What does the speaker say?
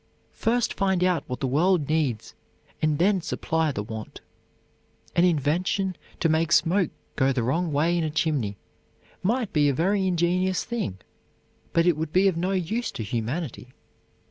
First find out what the world needs and then supply the want. An invention to make smoke go the wrong way in a chimney might be a very ingenious thing, but it would be of no use to humanity.